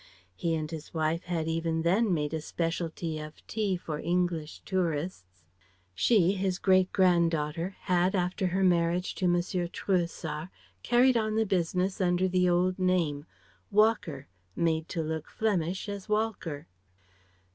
He and his wife had even then made a specialty of tea for English tourists. She, his great grand daughter, had after her marriage to Monsieur Trouessart carried on the business under the old name Walker, made to look Flemish as Walcker.